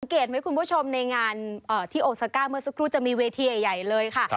สังเกตไว้กูชมในงานที่โอปเซคกะไม่สกรุ๊ปจะมีเวทีใหญ่เลยค่ะ